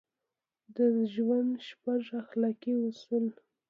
د ژوند شپږ اخلاقي اصول: